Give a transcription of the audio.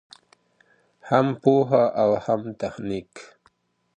هم پوهه او هم تخنیک.